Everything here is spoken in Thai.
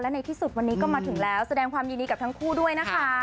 ในที่สุดวันนี้ก็มาถึงแล้วแสดงความยินดีกับทั้งคู่ด้วยนะคะ